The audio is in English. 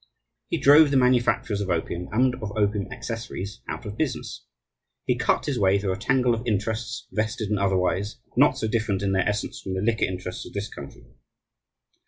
He drove the manufacturers of opium and of opium accessories out of business. He cut his way through a tangle of "interests," vested and otherwise, not so different in their essence from the liquor interests of this country.